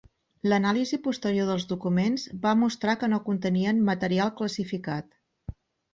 L'anàlisi posterior dels documents va mostrar que no contenien material classificat.